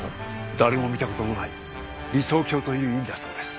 誰も見たことのない理想郷という意味だそうです